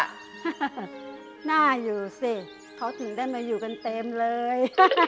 น่าอยู่สิเขาถึงได้มาอยู่กันเต็มเลย